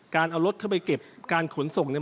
การเอารถเข้าไปเก็บการขนส่งเนี่ย